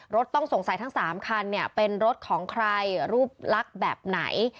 ต้องสงสัยทั้ง๓คันเนี่ยเป็นรถของใครรูปลักษณ์แบบไหน